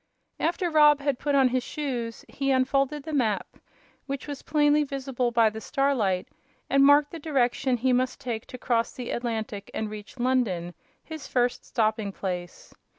After Rob had put on his shoes he unfolded the map, which was plainly visible by the starlight, and marked the direction he must take to cross the Atlantic and reach London, his first stopping place.